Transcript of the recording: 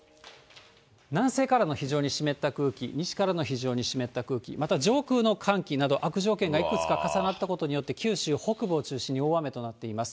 南西からの非常に湿った空気、西からの非常に湿った空気、また上空の寒気など、悪条件がいくつか重なったことによって、九州北部を中心に大雨となっています。